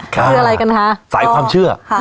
คืออะไรกันคะสายความเชื่อ